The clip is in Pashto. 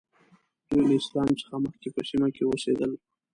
دوی له اسلام څخه مخکې په سیمه کې اوسېدل.